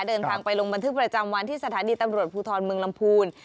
เดินทางไปลงบันทึกประจำวันที่สถานีตำรวจภูทรเมืองลำพูน